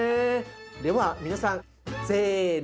では皆さんせの！